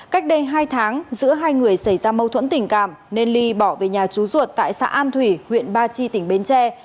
cách đây hai tháng giữa hai người xảy ra mâu thuẫn tình cảm nên ly bỏ về nhà chú ruột tại xã an thủy huyện ba chi tỉnh bến tre